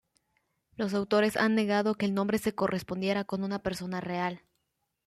Los autores han negado que el nombre se correspondiera con una persona real.